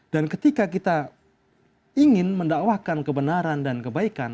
dan ketika kita ingin mendakwakan kebenaran dan kebaikan